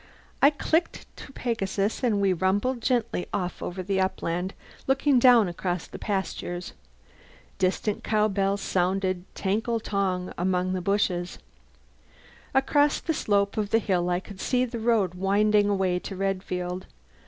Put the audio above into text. I clicked to Pegasus and we rumbled gently off over the upland, looking down across the pastures. Distant cow bells sounded tankle tonk among the bushes. Across the slope of the hill I could see the road winding away to Redfield.